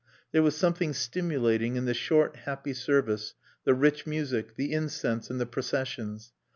There was something stimulating in the short, happy service, the rich music, the incense, and the processions.